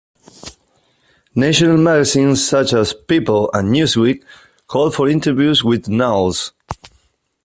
National magazines such as "People" and "Newsweek" called for interviews with Knowles.